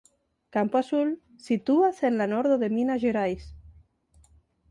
Campo Azul situas en la nordo de Minas Gerais.